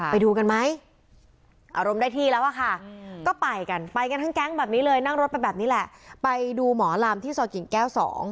ไปดูกันไหมอารมณ์ได้ที่แล้วอะค่ะก็ไปกันไปกันทั้งแก๊งแบบนี้เลยนั่งรถไปแบบนี้แหละไปดูหมอลำที่ซอยกิ่งแก้ว๒